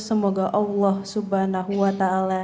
semoga allah swt